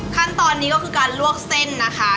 ขั้นตอนนี้ก็คือการลวกเส้นนะคะ